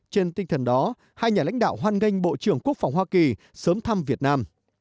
trên tinh thần đó hai nhà lãnh đạo hoan nghênh bộ trưởng quốc phòng hoa kỳ sớm thăm việt nam